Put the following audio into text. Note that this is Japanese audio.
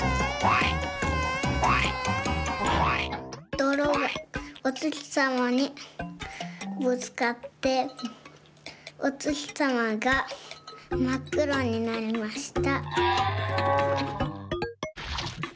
どろがおつきさまにぶつかっておつきさまがまっくろになりました。